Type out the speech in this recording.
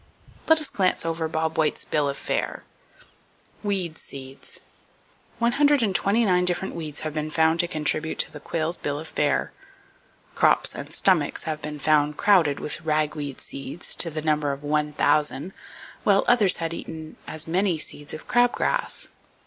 Let us glance over the bob white's bill of fare: Weed Seeds.—One hundred and twenty nine different weeds have been found to contribute to the quail's bill of fare. Crops and stomachs have been found crowded with rag weed seeds, to the number of one thousand, while others had eaten as many seeds of crab grass.